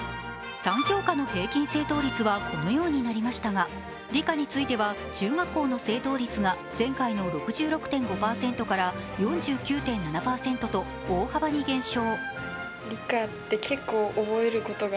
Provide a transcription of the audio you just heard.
３教科の平均正答率はこのようになりましたが理科については中学校の正答率が前回の６６．５％から４９．７％と大幅に減少。